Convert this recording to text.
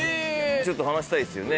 ちょっと話したいですよね。